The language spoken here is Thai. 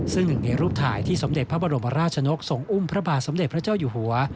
ซึ่งหนึ่งในรูปถ่ายที่สมเด็จพระบรมราชนกทรงอุ้มพระบาทสมเด็จพระเจ้าอยู่หัว